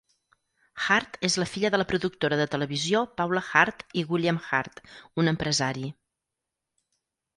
Hart és la filla de la productora de televisió Paula Hart i William Hart, un empresari.